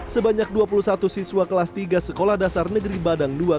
sebanyak dua puluh satu siswa kelas tiga sekolah dasar negeri badang dua